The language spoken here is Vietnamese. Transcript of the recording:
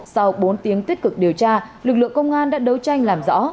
sau bốn tiếng tích cực điều tra lực lượng công an đã đấu tranh làm rõ